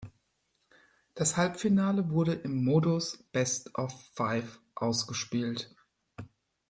Das Halbfinale wurde im Modus Best-of-Five ausgespielt.